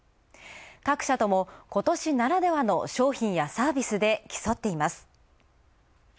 各社とも今年ならではの商品やサービスで競っています。